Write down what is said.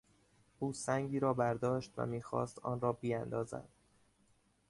او سنگی را برداشت و میخواست آن را بیندازد.